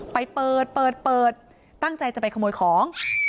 ไปเปิดตั้งใจจะไปขโมยของ